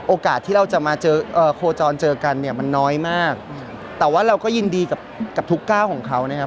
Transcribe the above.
ที่เราจะมาเจอโคจรเจอกันเนี่ยมันน้อยมากแต่ว่าเราก็ยินดีกับกับทุกก้าวของเขานะครับ